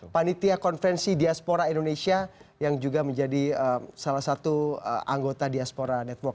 panitia konferensi diaspora indonesia yang juga menjadi salah satu anggota diaspora networ